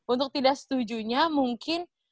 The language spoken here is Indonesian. untuk tidak setujunya mungkin